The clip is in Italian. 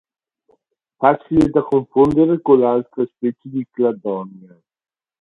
Facile da confondere con altre specie di Cladonia.